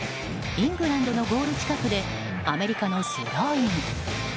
イングランドのゴール近くでアメリカのスローイン。